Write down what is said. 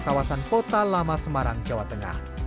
kawasan kota lama semarang jawa tengah